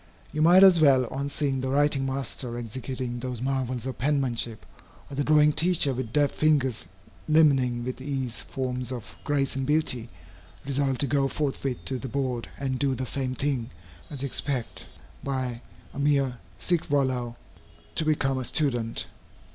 You might as well, on seeing the Writing Master executing those marvels of penmanship, or the Drawing Teacher with deft fingers limning with ease forms of grace and beauty, resolve to go forthwith to the board and do the same thing, as expect, by a mere sic volo, to become a student.